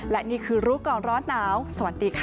และนี่คือรู้ก่อนร้อนหนาวสวัสดีค่ะ